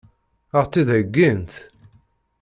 Ad ɣ-tt-id-heggint?